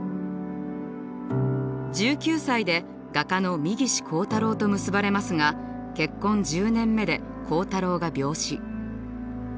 １９歳で画家の三岸好太郎と結ばれますが結婚１０年目で好太郎が病死。